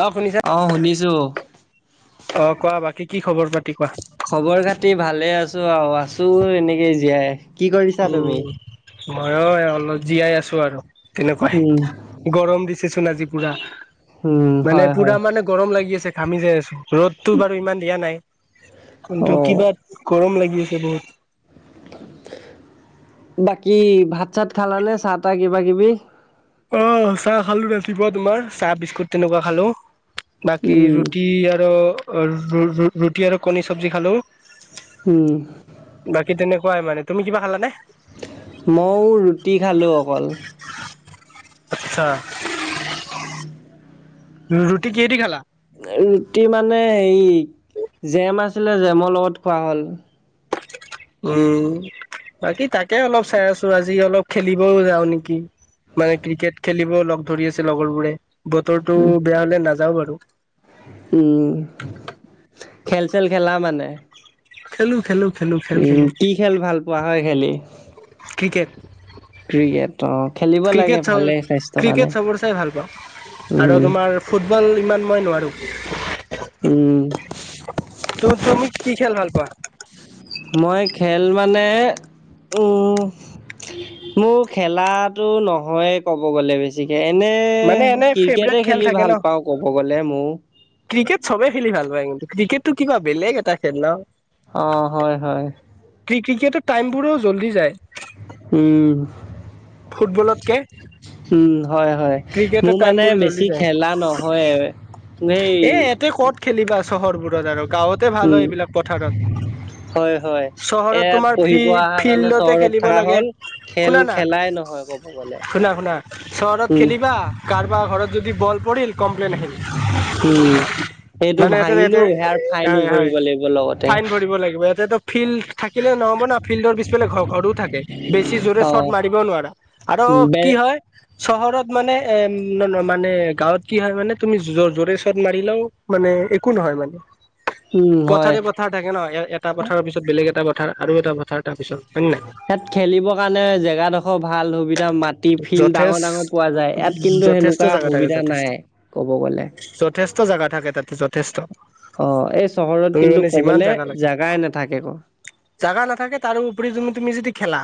অ', শুনিছা অ', শুনিছোঁ। অ', কোৱা, বাকী কি খবৰ পাতি কোৱা? খবৰ খাতি ভালে আছোঁ আৰু আছোঁ এনেকেই জীয়াই কি কৰিছা তুমি উম, মইয়ো অলপ জীয়াই আছোঁ আৰু তেনেকুৱাই উম গৰম দিছেচোন আজি পুৰা, উম মানে হয় পুৰা হয় মানে গৰম লাগি আছে ঘামি যাই আছোঁ, ৰ'দতটো বাৰু ইমান দিয়া নাই, অ কিন্তু কিবা গৰম লাগি আছে বহুত। বাকী ভাত চাত খালানে, চাহ তাহ কিবা কিবি? অ', চাহ খালো ৰাতিপুৱা তোমাৰ, চাহ বিস্কুট তেনেকুৱা খালোঁ বাকী উম ৰুটি আৰু, ৰুটি আৰু কণী চব্জি খালোঁ উম। বাকী তেনেকুৱাই মানে, তুমি কিবা খালানে? ময়ো ৰুটি খালোঁ অকল আচ্ছা ৰুটি কিহেদি খালা? ৰুটি মানে হে, জেম আছিলে জেমৰ লগত খোৱা হ'ল উম বাকী তাকে অলপ চাই আছোঁ, আজি অলপ খেলিবও যাওঁ নেকি? মানে ক্ৰিকেট খেলিব লগ ধৰি আছে লগৰ বোৰে, বতৰটো বেয়া হলে নাযাওঁ বাৰু উম, খেল চেল খেলা মানে খেলোঁ খেলোঁ উম, কি খেল ভাল পোৱা হয় খেলি? ক্ৰিকেট অ খেলিব লাগে ক্ৰিকেট, চাওঁ, ভালে স্বাস্থ্যৰ কাৰণে ক্ৰিকেট চবৰে চাই ভাল পাওঁ আৰু উম তোমাৰ ফুটবল ইমান মই নোৱাৰোঁ উম। ত, তুমি কি খেল ভাল পোৱা? মই খেল মানে, উম মোৰ খেলাটো নহয় ক'ব গ'লে বেছি ঠিকে, এনে মানে এনে ফেভৰেট ক্ৰিকেটে খেল খেলি থাকে ভাল ন পাওঁ ক'ব গ'লে মও ক্ৰিকেট চবে খেলি ভাল পায় কিন্তু, ক্ৰিকেটটো কিবা বেলেগ এটা খেল ন? অ', হয়, হয়। ক্ৰিকেটৰ টাইম বোৰো জল্দি যায় উম। ফুটবলতকে উম, হয়, হয়। ক্ৰিকেটৰ মোৰ টাইম মানে বোৰ জল্দি বেছি যায়। খেলা নহয়ে। নেই। এ ইয়াতে ক'ত খেলিবা চহৰবোৰত আৰু গাঁৱতে ভাল হয় এইবিলাক পথাৰত! হয়' হয়! চহৰত এয়াত তোমাৰ ফি পঢ়িব অহা কাৰণে ফিল্ডতে চহৰত খেলিব থকা লাগে। হ'ল! খেল শুনা না খেলাই নহয়? ব। [unintelligible] শুনা শুনা? চহৰত খেলিবা? কাৰোবাৰ ঘৰত যদি বল পৰিল কমপ্লেইন আহিল! উম সেইটো মানে এইটোৱে ভাঙিলো এইটোৱে সেয়াৰ ফাইনো হয় হয় ভৰিব লাগিব লগতে ফাইন ভৰিব লাগিব এইটোৱে। ফিল্ড থাকিলে নহ'ব ন? ফিল্ডৰ পিছফালে ঘৰ ঘৰো থাকে! বেছি জোৰে অ চৰ্ট মাৰ। ত নোৱাৰে আৰু বে কি হয়? চহৰত মানে এ মানে গাঁৱত কি হয় মানে? তুমি জোৰে চৰত মাৰিলেও। মানে একো নহয় মানে? উম হয় পথাৰে পথাৰ থাকে নহয় এ এটা পথাৰৰ পিছত বেলেগ এটা পথাৰ আৰু এটা পথাৰ! তাৰপিছত হয় নে নাই? ইয়াত খেলিবৰ কাৰণে জেগা ডোখৰ ভাল হবি! এতিয়া মাটি ফিল্ড ডাঙৰ ডাঙৰ পোৱা যথেষ্ট যায়! ইয়াত কিন্তু, যথেষ্ট সেনেকুৱা জেগা থাকে সুবিধা যথেষ্ট নাই কব গলে? যথেষ্ট জেগা থাকে তাতে যথেষ্ট! অ', এই চহৰত তুমি কিন্তু কবলে জাগাই নাথাকে! ক। জাগা নাথাকে তাৰো উপৰি তুমি তুমি যদি খেলা!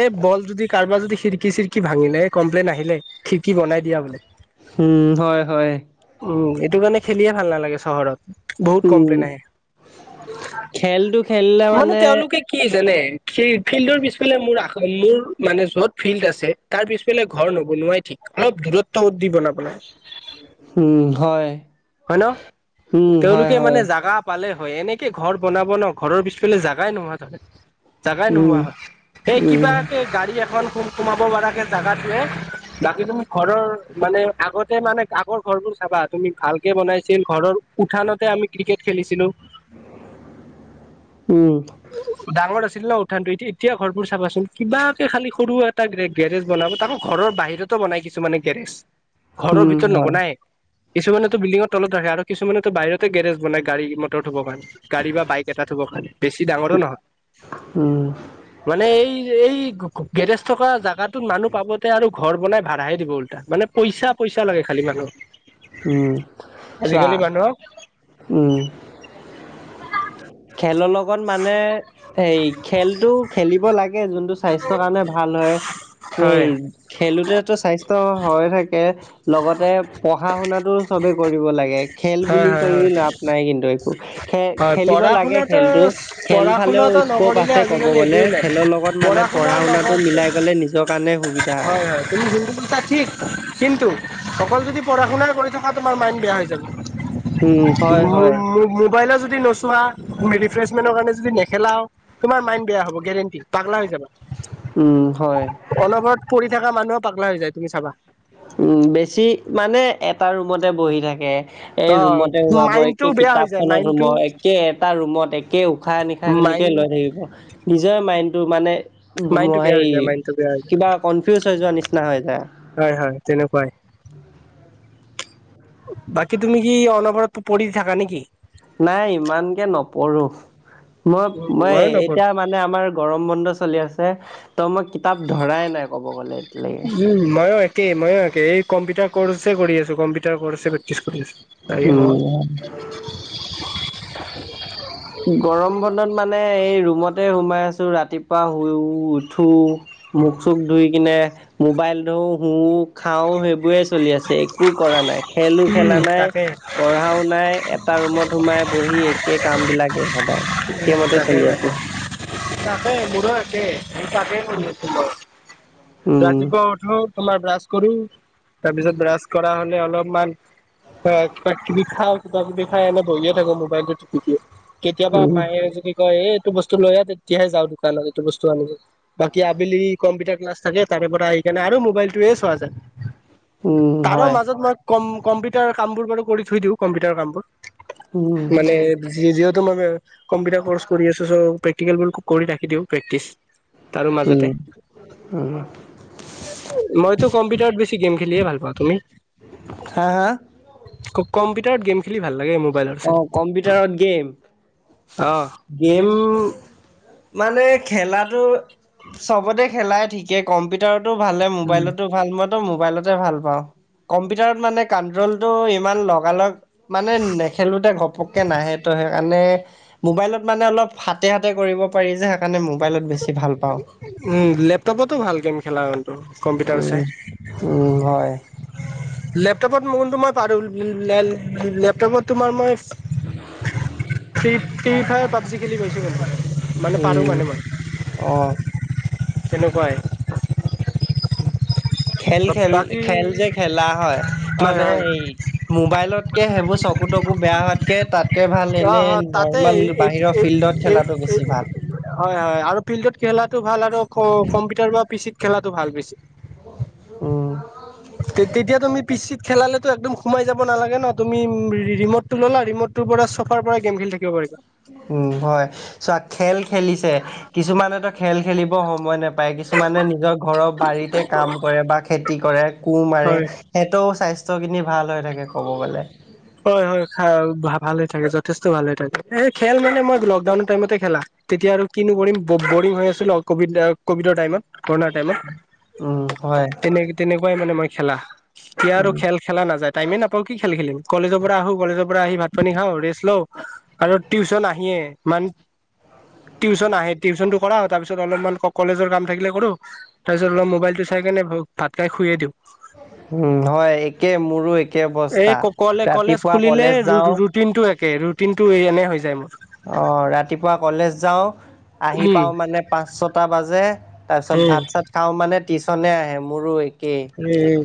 এই বল যদি কাৰোবাৰ যদি খিৰিকি চিৰিকি। কি ভাঙিলে কমপ্লেইন আহিলে খিৰিকী বনাই দিয়া বোলে? উম, হয়, হয়! উম, এইটো কাৰণে খেলিয়ে ভাল নালাগে চহৰত! বহুত উম কমপ্লেইন আহে? খেলটো খেলিলে মানে তেওঁলোকে। কি জানে? সেই ফিল্ডৰ পিছফালে মোৰ মোৰ মানে যত ফিল্ড আছে! তাৰ পিছফালে ঘৰ নবনোৱাই ঠিক অলপ দূৰত্বত দি বনাব লাগে! উম, হয়! হয় ন? উম হয় তেওঁলোকে হয় মানে জাগা। পালে হয়! এনেকে ঘৰ বনাব ন ঘৰৰ পিছফালে জাগাই নোহোৱা হয় গ'ল! জাগাই উম নোহোৱা হয়! সেই উম কিবাকে গাড়ী এখন সোমাব পৰাকে জেগাটোৱে-। বাকী তুমি ঘৰৰ মানে আগতে মানে আগৰ ঘৰ বোৰ চাবা তুমি ভাল। বনাইছিল ঘৰৰ উঠানতে আমি ক্ৰিকেট খেলি ছিঁলো! উম! ডাঙৰ আছিল ন উঠা টো এ এতিয়া ঘৰবোৰ চাবাচোন? কিবাকে খালি সৰু এটা গ্ৰেক। গেৰেজ বনাব? তাকো ঘৰৰ বাহিৰতো বনাই কিছুমানে গেৰেজ! ঘৰৰ উম ভিতৰত হয় নবনাই? কিছুমানেেতো বিল্ডিঙৰ তলত ৰাখে আৰু কিছুমানেতো বাহিৰতে গেৰেজ বনাই! গাড়ী ৰূমত। ত ধুব পাই গাড়ী বা বাইক এটা ধুব কাৰণে। উম মানে এই এই গেৰেজ থকা জাগাটোত মানুহ পাবতে আৰু। ঘৰ বনাই ভাড়াহে দিব উল্টাই! মানে, পইচা পইচা লাগে খালি মানুহ। উম! চোৱা আজিকালি মানুহক। উম! খেলৰ লগত মানে হেয়ি খেলটো খেলিব লাগে! তাকে যোনটো স্বাস্থ্যৰ কাৰণে ভাল হয়! হয় এই-। খেলোঁতেতো স্বাস্থ্য হৈ থাকে! লগতে পঢ়া শুনা টো চবে কৰিব লাগে খেল হয় বুলি? হয় কৰি হয় লাভ নাই কিন্তু একো খে হয় খেলিব পঢ়া লাগে শুনাটো খেলটো খেল পঢ়া ফালেও শুনাটো স্কপ নকৰিলে আছে। ক'ব আজিকালি গ'লে, একোৱেই নাই। খেলৰ লগত মানে, পঢ়া শুনাৰ শুনাটো লগত মিলাই গলে নিজৰ কাৰণে সুবিধা আৰু। হয় হয় তুমি যোনটো কৈছা ঠিক কিন্তু, অকল যদি পঢ়া শুনাই কৰি থাকা তোমাৰ মাইণ্ড বেয়া হৈ যাব। উম হয় মো হয় মো মোবাইলো যদি নোচোৱা, তুমি ৰিফ্ৰেচমেন্টৰ কাৰণে যদি নেখেলাও। তোমাৰ মাইণ্ড বেয়া হ'ব গেৰেণ্টি পাগলা হৈ যাবা। উম হয় অনবৰত পঢ়ি থকা মানুহো পাগলা হৈ যায়, তুমি চাবা। বেছি মানে এটা ৰুমতে বহি থাকে। এই অ ৰুমতে সোমাব, মাইণ্ডটো একে বেয়া হৈ যায় কিতাপখনত মাইণ্ডটো সোমাব, একে এটা ৰুমত একে উশাহ নিশা -হ খিনিকে মাইণ্ড লৈ থাকিব। নিজৰে মাইণ্ডটো মানে, মাইণ্ডটো বেয়া হেৰি হৈ যায় মাইণ্ডটো বেয়া হৈ যায় কিবা কনফিউজ হৈ যোৱাৰ নিচিনা হৈ যায়। হয় হয় তেনেকুৱাই। বাকী তুমি কি অনবৰত পঢ়ি থাকা নেকি? নাই ইমানকে নপঢ়ো, মই উম মই ময়ো এতিয়া নপঢ়ো মানে আমাৰ গৰম বন্ধ চলি আছে। ত' মই কিতাপ ধৰাই নাই ক'ব গ'লে। এতিয়ালৈকে। উম ময়ো একেই ময়ো একেই এই কম্পিউটাৰ কৰ্ছে কৰি আছো। কম্পিউটাৰ কৰ্ছে প্ৰেক্টিচ কৰি আছো। উম। [inaudible] গৰম বন্ধত মানে, এই ৰুমতে সোমাই আছো ৰাতিপুৱা শুই উঠো। মুখ চুখ ধুই কিনে, মোবাইল ধৰো শুও খাও সেইবোৰে। চলি আছে, একো কৰা নাই খেলো খেলা নাই তাকে পঢ়াও নাই। এটা ৰুমত সোমাই, কৰি, একে কাম বিলাকে সদায়। উম একেমতে তাকে চলি আছে তাকে, তাকে মোৰো একে তাকে কৰি আছো মইয়ো। উম ৰাতিপুৱা উঠো, তোমাৰ ব্ৰাছ কৰো। তাৰপিছত ব্ৰাছ কৰা হলে অলপমান, কিবা কিবি খাওঁ কিবা কিবি খাই। এনেই বহিয়ে থাকো মোবাইলটো টিপি টিপি। কেতিয়াবা উম মায়ে যদি কয়, এই এইটো বস্তু লৈ আহ তেতিয়াহে যাওঁ দোকানত এইটো বস্তু আনিবলে। বাকী আবেলি কম্পিউটাৰ ক্লাছ থাকে তাৰে পৰা আহি কিনে আৰু মোবাইলটো চোৱা যায়। উম তাৰো হয় মাজত মই কম কম্পিউটাৰ কাম বোৰ বাৰু কৰি থৈ দিওঁ, কম্পিউটাৰ কাম বোৰ। উম মানে, যিহেতু মই কম্পিউটাৰ কৰ্চ কৰি আছো। চ প্ৰেক্টিকেল বোৰ কৰি ৰাখি দিওঁ প্ৰেক্টিছ। উম উম, মইতো কম্পিউটাৰত বেছি গেম খেলিয়ে ভাল পাওঁ, তুমি? হা হা খুব কম্পিউটাৰত গেম খেলি ভাল লাগে মোৰ। অ কম্পিউটাৰত গেম। অ গেম মানে খেলাটো, চবতে খেলাই ঠিক। কে কম্পিউটাৰতো ভালে মোবাইলতো, ভাল, মইতো মোবাইলতে ভাল পাওঁ কম্পিউটাৰত মানে কন্ট্ৰলটো ইমান লগালগ। মানে নেখেলোতে ঘপককে নাহে। তই - সেইকাৰণে, মোবাইলত মানে অলপ হাতে হাতে কৰিব, পাৰি যে সেইকাৰণে মবাইলত বেছি ভাল পাওঁ। উম লেপটপতো ভাল গেম খেলা কিন্তু, কম্পিউটাৰ চাই, উম উম হয়। লেপটপত [unintelligible] মই পাৰো লেপটপত তোমাৰ মই, ফ্ৰী ফায়াৰ পাবজি খেলি পাইছো। মানে মানে পাৰো উম মানে মই, অ তেনেকুৱাই। খেল খেল বাকী খেল যে খেলা হয় হয় মানে, হয় ই মোবাইলতকে সেইবোৰ চকু তকু বেয়া হোৱাতকে, তাত কে ভাল অ এনেই হয় তাতে নৰ্মেল এইটো বাহিৰৰ এই ফিল্ডত এই খেলাটো এই বেছি ভাল। হয় হয় আৰু ফিল্ডত খেলাটো ভাল আৰু কম্পিউটাৰ বা পিচিত খেলাটো ভাল বেছি। উম তে তেতিয়া তুমি পি চিত খেলালেতো একদম সোমাই যাব নালাগে ন তুমি ৰি ৰিমটটো ল'লা ৰিমট টোৰ পৰা চফাৰ পৰাই গম খেলি থাকিব পাৰিবা। উম হয়। চোৱা খেল খেলিছে, কিছুমানেতো খেল খেলিব সময় নেপায় কিছুমানে নিজক ঘৰৰ বাৰীতে কাম কৰে বা খেতি কৰে, কু মাৰে হয় হেতও স্বাস্থ্যখিনি ভাল হৈ থাকে ক'ব গ'লে। হয় হয় ভাল হৈ থাকে, যথেষ্ট ভাল হৈ থাকে, এ খেল মানে মই লকডাউনৰ টাইমতে খেলা। তেতিয়া আৰু কিনো কৰিম বৰিং হৈ আছিলো কভিড কভিডৰ টাইমত কৰোণাৰ টাইমত। উম হয়। তেনে তেনেকুৱাই মানে মই খেলা, এতিয়া আৰু উম খেল খেলা নাযায় টাইমে নাপাওঁ কি খেল খেলিম। কলেজৰ পৰা আহো, কলেজৰ পৰা আহি ভাত পানী খাওঁ, ৰেষ্ট লওঁ আৰু টিউচন আহিয়ে মান টিউচন আহে, টিউচনটো কৰাও তাৰপিছত অলপমান কলেজৰ কাম থাকিলে কৰো তাৰপিছত অলপ মোবাইলটো চাই কেনে ভাত খায় শুয়ে দিওঁ। উম হয় একেই মোৰো এক এই কলে কলেজ খুলিলে ৰোঁ যাওঁ ৰুটিনটো একে ৰুটিনটো এই এনে হৈ যায় মোৰ। অ ৰাতিপুৱা কলেজ যাওঁ, আহি উম পাওঁ মানে পাঁচ ছটা বাজে। তাৰপিছত ভাত চাত খাওঁ মানে টিশ্যনে আহে মোৰো একেই। উম।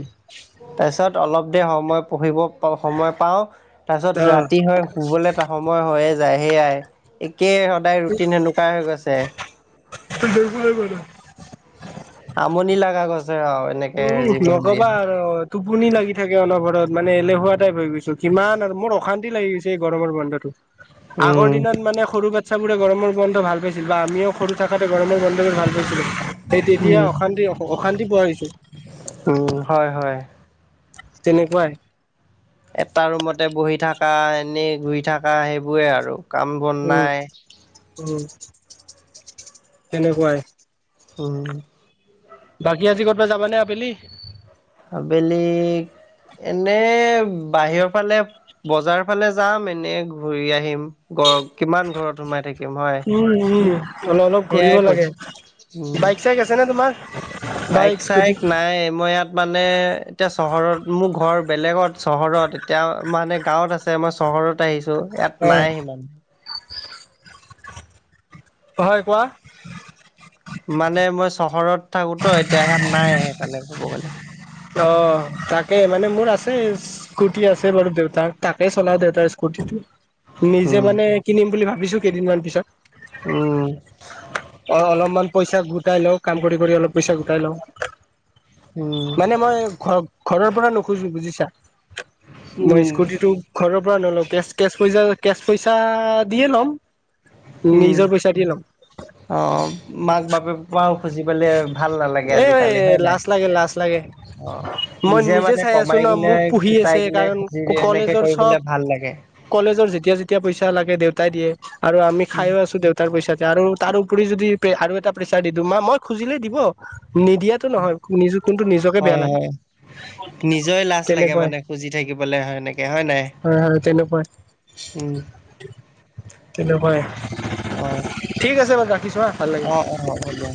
তাৰপিছত অলপ দেৰি সময় পঢ়িব সময় পাওঁ, তাৰপিছত ৰাতি হয় শুবলে [inaudible] সময় হৈয়ে যায় সেয়াই, একেই সদায় ৰুটিন এনেকুৱাই হৈ গৈছে। [unintelligible] আমনি লগা গৈছে আও এত উম নকবা আৰু! টোপনি লাগি থাকে অনবৰত মানে এলেহুৱা টাইপ হৈ গৈছো, কিমান আৰু মোৰ অশান্তি লাগি গৈছে এই গৰমৰ বন্ধটো। আগৰ উম দিনত মানে সৰু বাচ্ছাবোৰে গৰমৰ বন্ধ ভাল পাইছিল বা আমিও সৰু থাকোতে গৰমৰ বন্ধটো ভাল পাইছিলোঁ, সেই তেতিয়া অশান্তি অশান্তি পোৱা হৈছোঁ। উম হয় হয়। তেনেকুৱাই। এটা ৰুমতে বহি থাকা, এনেই ঘূৰি থাকা সেইবোৰে আৰু। কাম বন উম নাই উম তেনেকুৱাই। উম। বাকী আজি ক'তবা যাবা নে আবেলি? আবেলি এনে বাহিৰৰ ফালে বজাৰ ফালে যাম এনেই ঘূৰি আহিম, ঘৰ কিমান ঘৰত সোমাই থাকিম। হয়। উম উম অলপ অলপ ঘূৰিব সেয়াই লাগে, কৰিম উম বাইক চাইক আছে নে তোমাৰ? বাইক চাইক নাই মই ইয়াত মানে এতিয়া চহৰত মোৰ ঘৰ বেলেগত চহৰত এতিয়া মানে গাঁৱত আছে মই চহৰত আহিছো ইয়াত হয় নাই সিমান। হয় কোৱা। মানে মই চহৰত থাকো ত এতিয়া সেইয়াত নাই সেইকাৰণে ক'ব গলে। অ তাকে মানে মোৰ আছে স্কুটি আছে বাৰু দেউতাৰ, তাকেই চলাও দেউতাৰ স্কুটিটো। নিজে উম মানে কিনিম বুলি ভাবিছো কেইদিনমান পিছত। উম অঁ অলপমান পইচা গোটাই লওক। কাম কৰিবলে অলপ পইচা গোটাই লওঁ। উম' মানে মই ঘৰ ঘৰৰ পৰা নোখোজো বুজিছা। মই উম স্কুটিটো- ঘৰৰ পৰা নলওঁ কেচ কেচ পইচা কেচ পইচা দিয়ে ল'ম। নিজৰ পইচা দিয়ে ল'ম। অঁ অঁ মাক বাপেক পৰাও খুজিব লে ভাল নালাগে আজিকালি। এ লাজ লাগে লাাজ লাগে। অঁ মই নিজে মানে চাই আছো কমাই ন কিনে মোক পুহি গোটাই আছে কিনে কাৰণ খুজি দিয়ে এনেকে কলেজৰ কৰিবলে চব ভাল লাগে। কলেজৰ যেতিয়া যেতিয়া পইচা লাগে দেউতাই দিয়ে আৰু আমি খাইয়ো আছো দেউত- তাৰ পইচাতে আৰু তাৰ উপৰি যদি আৰু এটা প্ৰেচাৰ দি দিওঁ মা মই খুজিলে দিব, নিদিয়াত- টো নহয় নিজো কোনটো নিজক- হয় হয়। নিজৰে লাজ লাগে তেনেকুৱাই মানে খুজি থাকিবলে সেনেকে হয় নাই। হয় হয়, তেনেকুৱাই। উম' তেনেকুৱাই, ঠিক আছে বাৰু ৰাখিছো হাঁ ভাল লাগিল। অঁ অঁ হ'ব দিয়া।